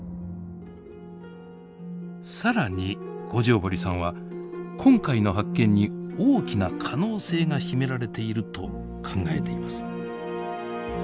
更に五條堀さんは今回の発見に大きな可能性が秘められていると考えています。